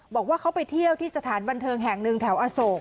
บอกว่าเขาไปเที่ยวที่สถานบันเทิงแห่งหนึ่งแถวอโศก